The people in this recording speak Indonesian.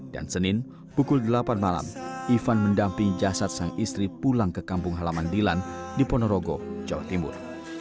dan senin pukul delapan malam ivan mendamping jasad sang istri pulang ke kampung halaman dilan di ponorogo jawa timur